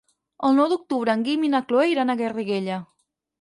El nou d'octubre en Guim i na Cloè iran a Garriguella.